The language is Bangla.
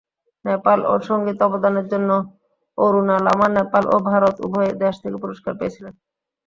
নেপাল ও সংগীত অবদানের জন্য অরুণা লামা নেপাল ও ভারত উভয়ই দেশ থেকে পুরস্কার পেয়েছিলেন।